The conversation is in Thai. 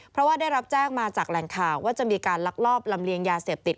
เพราะว่าได้รับแจ้งมาจากแหล่งข่าวว่าจะมีการลักลอบลำเลียงยาเสพติด